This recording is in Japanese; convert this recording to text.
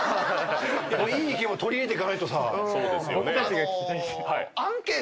でもいい意見を取り入れていかないとさ。